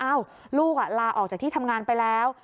ลูกลาออกจากที่ทำงานไปแล้ว